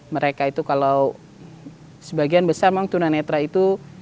mereka itu kalau sebagian besar memang tunan netral itu